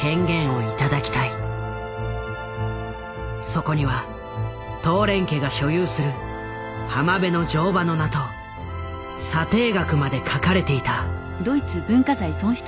そこにはトーレン家が所有する「浜辺の乗馬」の名と査定額まで書かれていた。